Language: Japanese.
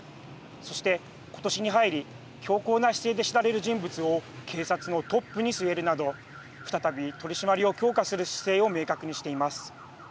そして、今年に入り強硬な姿勢で知られる人物を警察のトップに据えるなど再び取締りを強化する姿勢を明確にしています。